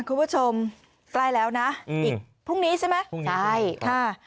คุณผู้ชมใกล้แล้วนะอีกพรุ่งนี้ใช่ไหมใช่ค่ะ